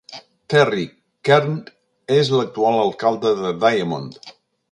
Terry Kernc és l'actual alcalde de Diamond.